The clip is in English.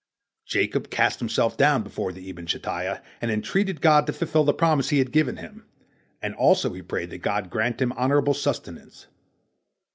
Jacob cast himself down before the Eben Shetiyah, and entreated God to fulfil the promise He had given him, and also he prayed that God grant him honorable sustenance.